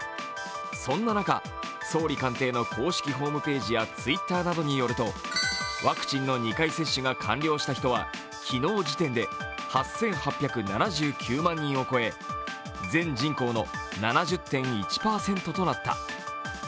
そんな中、総理官邸の公式ホームページやＴｗｉｔｔｅｒなどによるとワクチンの２回接種が完了した人は昨日時点で８８７９万人を超え、全人口の７０．１％となった。